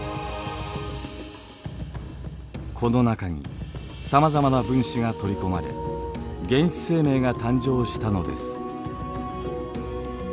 この中にさまざまな分子が取り込まれ原始生命が誕生したのです。